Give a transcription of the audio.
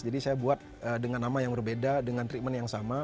jadi saya buat dengan nama yang berbeda dengan treatment yang sama